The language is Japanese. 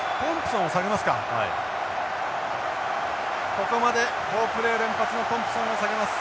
ここまで好プレー連発のトンプソンを下げます。